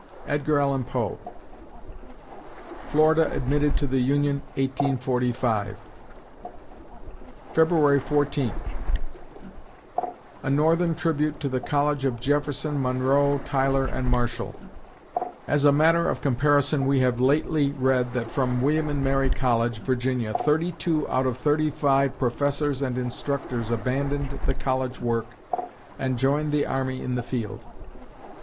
EDGAR ALLAN POE Florida admitted to the Union, 1845 February Fourteenth A Northern Tribute to the College of Jefferson, Monroe, Tyler, and Marshall As a matter of comparison we have lately read that from William and Mary College, Virginia, thirty two out of thirty five professors and instructors abandoned the college work and joined the army in the field.